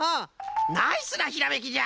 ナイスなひらめきじゃ！